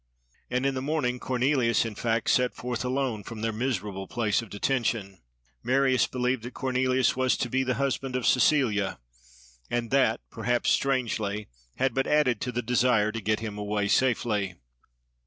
And in the morning Cornelius in fact set forth alone, from their miserable place of detention. Marius believed that Cornelius was to be the husband of Cecilia; and that, perhaps strangely, had but added to the desire to get him away safely.